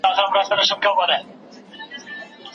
زه دا نه وایم چي